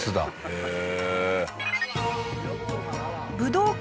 へえ。